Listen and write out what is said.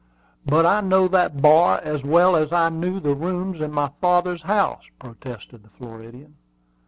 "But I know that bar as well as I knew the rooms in my father's house," protested the Floridian.